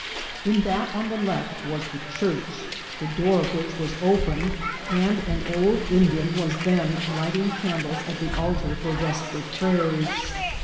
In that on the left was the church, the door of which was 408 INCIDENTS OF TRAVEL. open, and an old Indian was then lighting candles at the altar for vesper prayers.